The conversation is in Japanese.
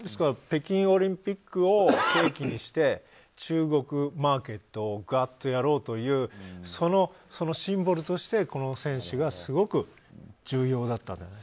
北京オリンピックを契機にして中国マーケットをがーっとやろうというそのシンボルとしてこの選手がすごく重要だったと。